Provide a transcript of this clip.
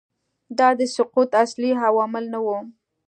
دا د سقوط اصلي عوامل نه وو